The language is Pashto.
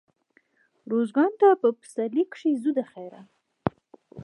روزګان ته په پسرلي کښي ځو دخيره.